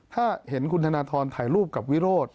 ถ้าเห็นคุณธนทรถ่ายรูปกับวิโรธ